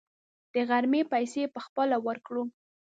د غرمې پیسې به خپله ورکوو.